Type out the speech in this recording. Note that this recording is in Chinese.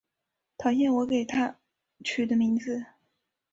讨厌我给她取的名字